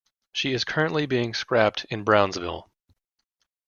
She is currently being scrapped in Brownsville.